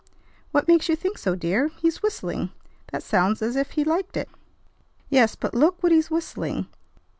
"What makes you think so, dear? He's whistling. That sounds as if he liked it." "Yes, but look what he's whistling.